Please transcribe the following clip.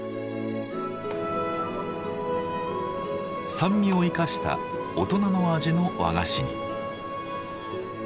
酸味を生かした大人の味の和菓子に。